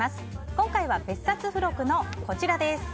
今回は別冊付録のこちらです。